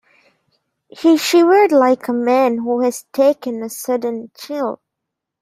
He shivered like a man who has taken a sudden chill.